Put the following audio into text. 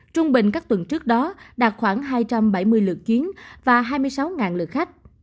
trung bình các tuần trước đó đạt khoảng hai trăm bảy mươi lượt chuyến và hai mươi sáu lượt khách